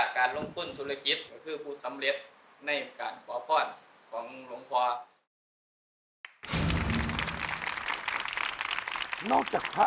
พระพุทธพิบูรณ์ท่านาภิรม